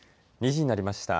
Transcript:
２時になりました。